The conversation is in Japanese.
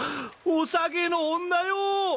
おさげの女よー！